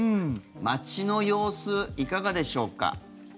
街の様子いかがでしょうか？